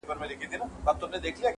خو ذهن کي يې شته ډېر,